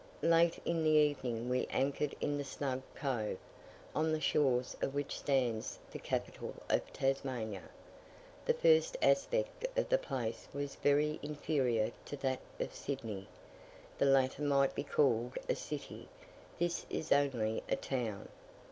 Late in the evening we anchored in the snug cove, on the shores of which stands the capital of Tasmania. The first aspect of the place was very inferior to that of Sydney; the latter might be called a city, this is only a town.